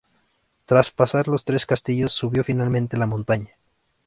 Tras pasar los tres castillos subió finalmente la montaña.